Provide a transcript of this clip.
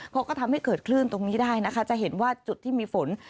เขาก็ทำให้เกิดคลื่นตรงนี้ได้นะคะจะเห็นว่าจุดที่มีฝน